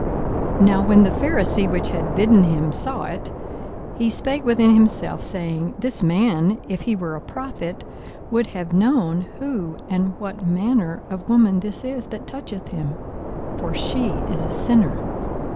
42:007:039 Now when the Pharisee which had bidden him saw it, he spake within himself, saying, This man, if he were a prophet, would have known who and what manner of woman this is that toucheth him: for she is a sinner.